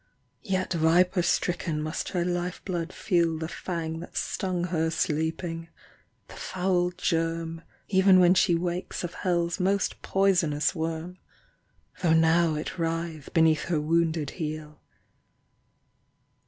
Yet viper stricken must her lifeblood feel The fang that stung her sleeping, the foul germ Even when she wakes of hell's most poisonous worm, Though now it writhe beneath her wounded heel.